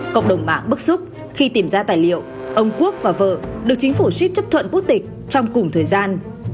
cộng đồng mạng bức xúc khi tìm ra tài liệu ông quốc và vợ được chính phủ ship chấp thuận quốc tịch trong cùng thời gian